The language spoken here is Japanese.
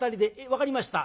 分かりました。